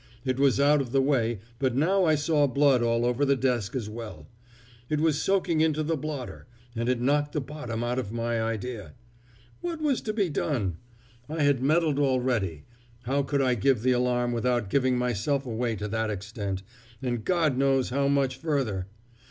It was out of the way, but now I saw blood all over the desk as well; it was soaking into the blotter, and it knocked the bottom out of my idea. What was to be done? I had meddled already; how could I give the alarm without giving myself away to that extent, and God knows how much further?